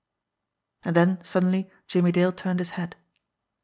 And then suddenly Jimmie Dale turned his head.